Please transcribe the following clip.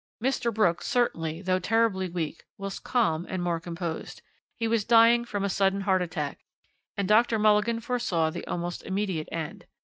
"Mr. Brooks certainly, though terribly weak, was calm and more composed. He was dying from a sudden heart attack, and Dr. Mulligan foresaw the almost immediate end.